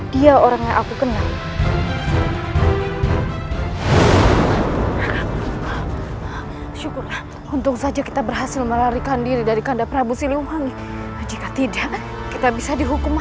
dia akan menangkapku